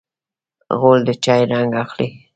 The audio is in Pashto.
غول د چای رنګ اخلي.